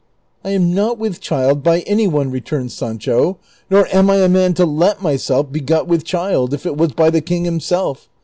" I am not with child by any one," returned Sancho, " nor am I a man to let myself be got with child, if it was by the King himself.